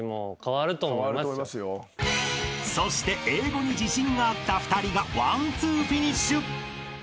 ［そして英語に自信があった２人がワンツーフィニッシュ］